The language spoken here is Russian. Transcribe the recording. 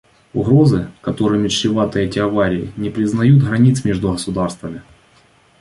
Угрозы, которыми чреваты эти аварии, не признают границ между государствами.